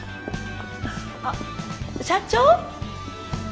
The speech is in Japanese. あっ社長！